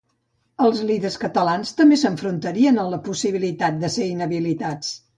Els líders catalans també s’enfrontarien a la possibilitat de ser inhabilitats.